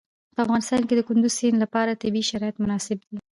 په افغانستان کې د کندز سیند لپاره طبیعي شرایط مناسب دي.